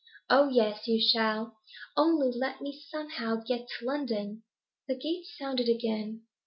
Oh yes, you shall. Only let me somehow get to London.' The gate sounded again.